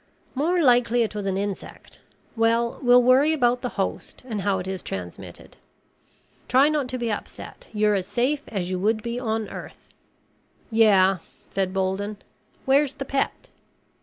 "More likely it was an insect. Well, we'll worry about the host and how it is transmitted. Try not to be upset. You're as safe as you would be on Earth." "Yeah," said Bolden. "Where's the pet?"